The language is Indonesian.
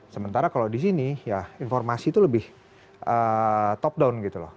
sementara kalau di sini ya informasi itu lebih top down gitu loh